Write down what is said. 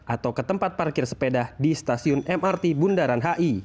atau ke tempat parkir sepeda di stasiun mrt bundaran hi